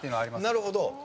なるほど。